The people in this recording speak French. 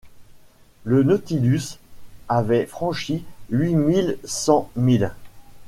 Le Nautilus avait franchi huit mille cent milles.